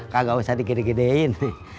kagak usah dikede kedein